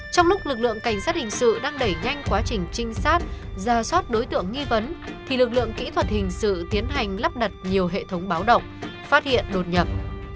trong lúc lực lượng cảnh sát hình sự đang đẩy nhanh quá trình trinh sát ra soát đối tượng nghi vấn thì lực lượng kỹ thuật hình sự tiến hành lắp đặt nhiều hệ thống báo động phát hiện đột nhập